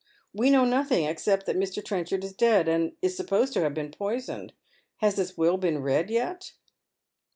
" We know nothing except that ilr. Trenchard is dead, and is supposed to have been poisoned. Has his will been read yet?"